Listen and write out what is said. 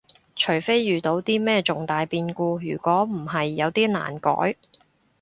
除非遇到啲咩重大變故，如果唔係有啲難改